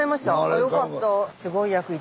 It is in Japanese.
あよかった。